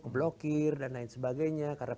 blokir dan lain sebagainya karena